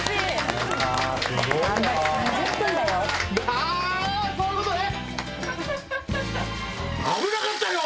あそういうことね